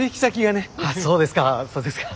そうですか。